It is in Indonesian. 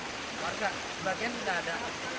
sebagian tidak ada